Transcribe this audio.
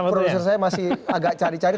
produser saya masih agak cari cari